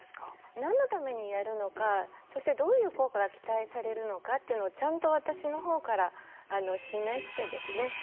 何のためにやるのかそして、どういう効果が期待されるのかというのをちゃんと私のほうから示してですね